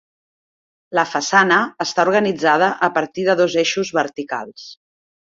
La façana està organitzada a partir de dos eixos verticals.